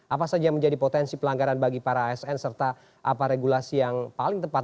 apa saja menjadi potensi pelanggaran bagi para asn serta apa regulasi yang paling tepat